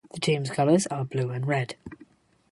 The team's colors are blue and red.